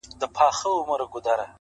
لوستل ذهن پراخوي,